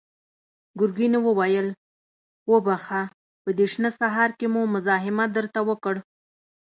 ګرګين وويل: وبخښه، په دې شنه سهار کې مو مزاحمت درته وکړ.